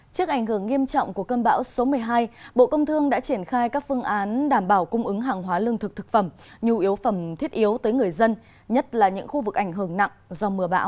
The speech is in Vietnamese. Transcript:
trước ảnh hưởng nghiêm trọng của cơn bão số một mươi hai bộ công thương đã triển khai các phương án đảm bảo cung ứng hàng hóa lương thực thực phẩm nhu yếu phẩm thiết yếu tới người dân nhất là những khu vực ảnh hưởng nặng do mưa bão